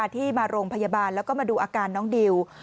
ที่มาโรงพยาบาลแล้วก็มาดูอาการน้องดิว